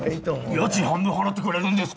家賃半分払ってくれるんですか？